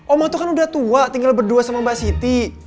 omang itu kan udah tua tinggal berdua sama mbak siti